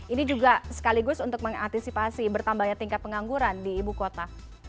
ini juga sekaligus untuk mengantisipasi bertambahnya tingkat pengangguran di ibu kota